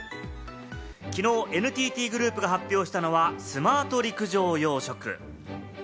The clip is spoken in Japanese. きのうＮＴＴグループが発表したのは、スマート陸上養殖。